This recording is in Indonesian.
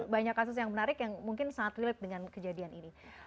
banyak kasus yang menarik yang mungkin sangat relate dengan kejadian ini